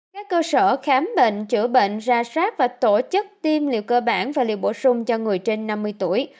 các cơ sở khám bệnh chữa bệnh ra sát và tổ chức tiêm liều cơ bản và liều bổ sung cho người trên năm mươi tuổi